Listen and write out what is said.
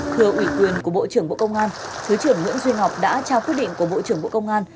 thưa ủy quyền của bộ trưởng bộ công an thứ trưởng nguyễn duy ngọc đã trao quyết định của bộ trưởng bộ công an